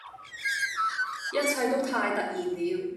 一切都太突然了